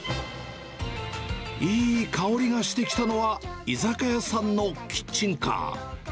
いい香りがしてきたのは、居酒屋さんのキッチンカー。